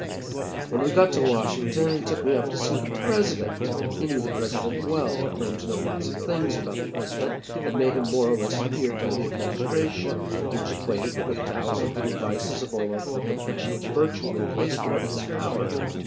"When we got to Washington, he took me up to see the President. He knew the President well claimed to know lots of things about the President that made him more or less feared by the administration. He was acquainted with a thousand little vices of all our public men, which virtually placed them in his power.